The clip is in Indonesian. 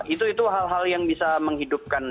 itu hal hal yang bisa menghidupkan